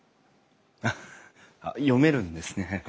読めるんですね。